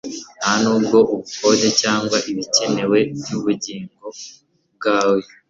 ntanubwo ubukode cyangwa ibikenewe byubugingo bwawe